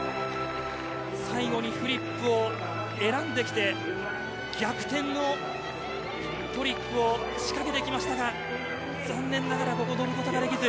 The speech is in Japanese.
最後にフリップを選んできて逆転のトリックを仕掛けてきましたが残念ながらここを乗ることができず